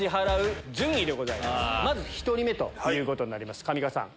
まず１人目ということになります上川さん